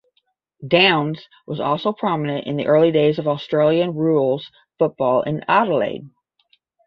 Downs was also prominent in the early days of Australian rules football in Adelaide.